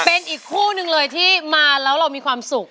เป็นอีกคู่นึงเลยที่มาแล้วเรามีความสุข